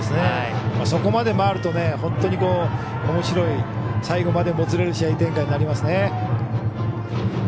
そこまで回ると本当におもしろい最後までもつれる試合展開になりますね。